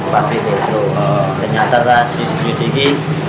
petro petro ternyata kita sejudi sejudi ini